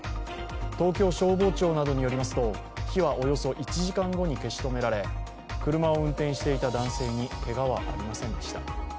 東京消防庁などによりますと、火はおよそ１時間後に消し止められ車を運転していた男性にけがはありませんでした。